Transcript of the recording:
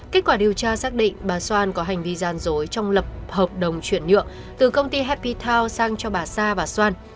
kết quả điều tra xác định bà soan có hành vi gian dối trong lập hợp đồng chuyển nhượng từ công ty happy town sang cho bà sa và soan